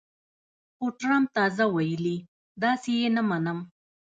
خو ټرمپ تازه ویلي، داسې یې نه منم